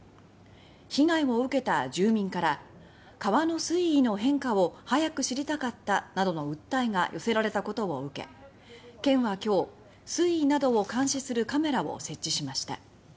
被害を受けた住民から「川の水位の変化を早く知りたかった」などの訴えが寄せられたことを受け県は今日水位などを監視するカメラを設置しました。